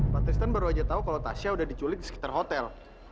patristan baru aja tahu kalau tasya udah diculik sekitar hotel